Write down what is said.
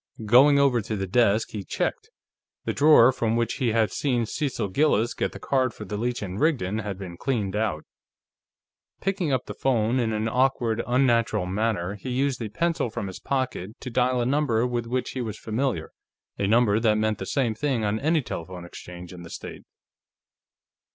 Going over to the desk, he checked; the drawer from which he had seen Cecil Gillis get the card for the Leech & Rigdon had been cleaned out. Picking up the phone in an awkward, unnatural manner, he used a pencil from his pocket to dial a number with which he was familiar, a number that meant the same thing on any telephone exchange in the state.